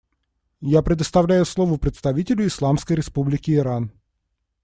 Я предоставляю слово представителю Исламской Республики Иран.